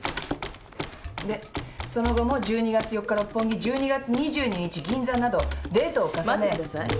でその後も「１２月４日六本木１２月２２日銀座などデートを重ね」待ってください。